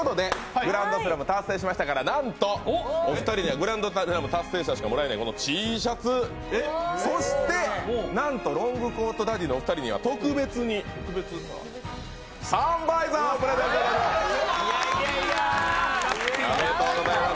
グランドスラム達成しましたからなんとお二人にはグランドスラム達成者しかもらえないＴシャツ、そして、なんとロングコートダディのお二人には特別にサンバイザーをプレゼントいたします。